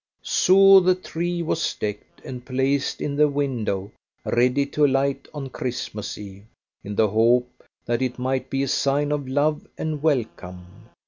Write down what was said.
So the tree was decked, and placed in the window ready to light on Christmas Eve, in the hope that it might be a sign of love and welcome.